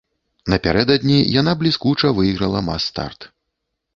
Напярэдадні яна бліскуча выйграла мас-старт.